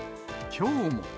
きょうも。